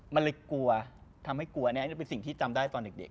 มันเลยกลัวทำให้กลัวอันนี้เป็นสิ่งที่จำได้ตอนเด็ก